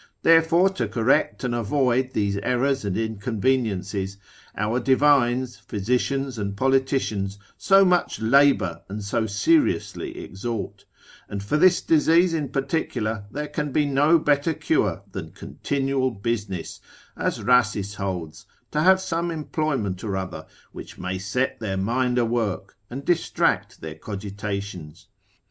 Therefore to correct and avoid these errors and inconveniences, our divines, physicians, and politicians, so much labour, and so seriously exhort; and for this disease in particular, there can be no better cure than continual business, as Rhasis holds, to have some employment or other, which may set their mind awork, and distract their cogitations.